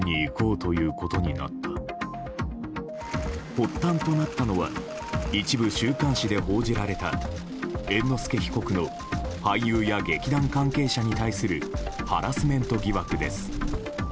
発端となったのは一部週刊誌で報じられた猿之助被告の俳優や劇団関係者に対するハラスメント疑惑です。